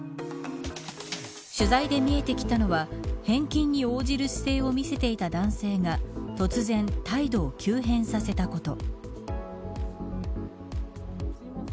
取材で見えてきたのは返金に応じる姿勢を見せていた男性が突然、態度を急変させたこと。